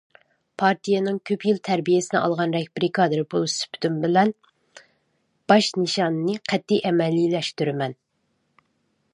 پارتىيەنىڭ كۆپ يىل تەربىيەسىنى ئالغان رەھبىرىي كادىر بولۇش سۈپىتىم بىلەن، باش نىشاننى قەتئىي ئەمەلىيلەشتۈرىمەن.